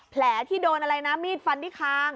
แผลที่โดนอะไรนะมีดฟันที่คาง